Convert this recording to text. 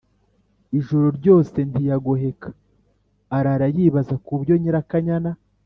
Ijoro ryose ntiyagoheka arara yibaza ku byo Nyirakanyana